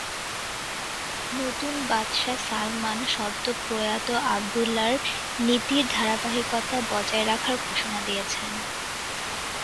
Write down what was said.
নতুন বাদশাহ সালমান সদ্যপ্রয়াত আবদুল্লাহর নীতির ধারাবাহিকতা বজায় রাখার ঘোষণা দিয়েছেন।